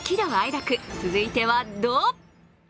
楽続いては「怒」